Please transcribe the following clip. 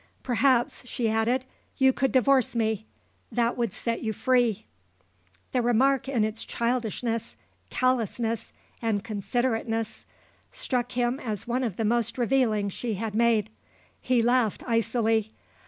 Perhaps," she added, "you could divorce me. That would set you free." The remark in its childishness, callousness, and considerateness struck him as one of the most revealing she had made. He laughed icily.